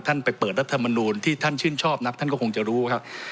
ไปเปิดรัฐมนูลที่ท่านชื่นชอบนักท่านก็คงจะรู้ครับ